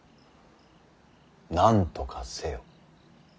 なんとかせよ。